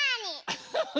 アッハハ。